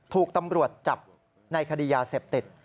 ถูกตำรวจจับในคดียาเสพติด